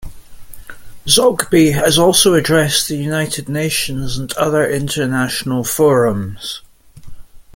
Zogby has also addressed the United Nations and other international forums.